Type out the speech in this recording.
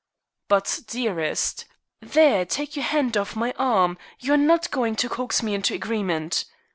"But, dearest " "There! Take your hand off my arm. You are not going to coax me into agreement.